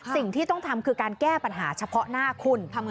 สิ่งที่ต้องทำคือการแก้ปัญหาเฉพาะหน้าคุณ